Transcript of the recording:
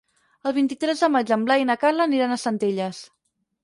El vint-i-tres de maig en Blai i na Carla aniran a Centelles.